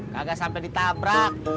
gagak sampai ditabrak